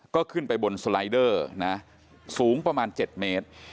ก็ขึ้นไปบนสไลเดอร์นะสูงประมาณ๗เมตร